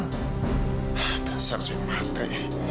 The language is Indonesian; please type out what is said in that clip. dasar cewek matre